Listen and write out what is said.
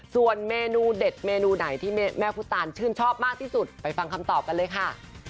ส่วนเมนูเด็ดเมนูไหนที่แม่พุทธตานชื่นชอบมากที่สุดไปฟังคำตอบกันเลยค่ะ